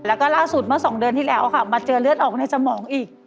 แล้วก็ล่าสุดเมื่อสองเดือนที่แล้วค่ะมาเจอเลือดออกในสมองอีก